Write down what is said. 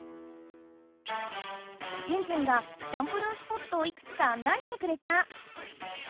ジンジンがチャンプルースポットをいくつかあん内してくれた。